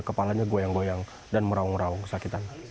kepalanya goyang goyang dan merawung rawung kesakitan